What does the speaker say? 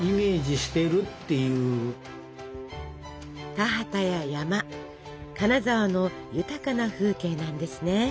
田畑や山金沢の豊かな風景なんですね。